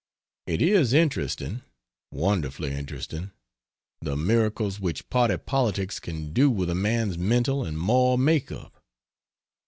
It is interesting, wonderfully interesting the miracles which party politics can do with a man's mental and moral make up.